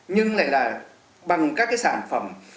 nhưng lại là bằng các cái sản phẩm